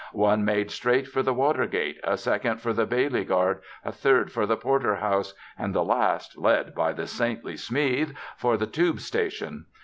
One made straight for the Watergate, a second for the Bailey guard, a third for the Porter house, and the last (led by the saintly Smeathe) for the Tube station.